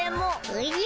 おじゃ。